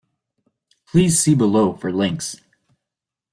Please see below for links.